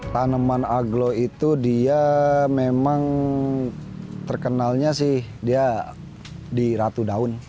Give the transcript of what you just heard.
tanaman aglo itu dia memang terkenalnya sih dia di ratu daun